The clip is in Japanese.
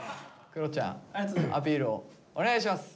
黒ちゃんアピールをお願いします。